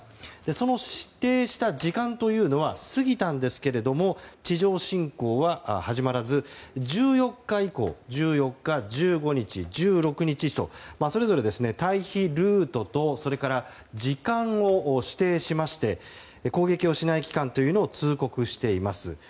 その指定した時間というのは過ぎたんですけれども地上侵攻は始まらず１４日以降、１５日、１６日とそれぞれ退避ルートと時間を指定しまして攻撃をしない期間を通告しています。